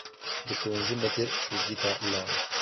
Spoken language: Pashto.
د ښوونځي مدیر ټولګي ته لاړ.